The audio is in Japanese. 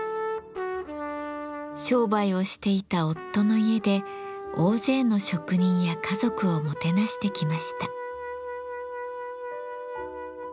商売をしていた夫の家で大勢の職人や家族をもてなしてきました。